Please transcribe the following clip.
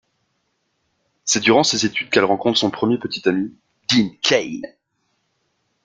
C'est durant ses études qu'elle rencontre son premier petit ami, Dean Cain.